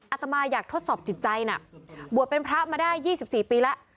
อาตมาอยากทดสอบจิตใจนะบวชเป็นพระมาได้๒๔ปีแล้ว